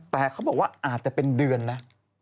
แต่เขาบอกว่าอาจจะเป็นเดือนนะ